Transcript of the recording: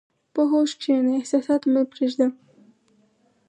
په هوښ کښېنه، احساسات مه پرېږده.